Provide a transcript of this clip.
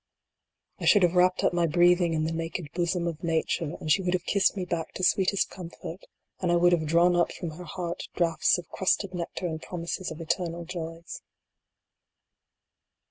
I should have wrapt up my breathing in the naked bosom of Nature, and she would have kissed me back to sweetest comfort, and I would have drawn up from her heart draughts of crusted nectar and promises of eternal joys.